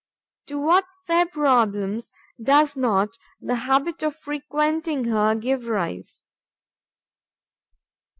To what fair problems does not the habit of frequenting her give rise!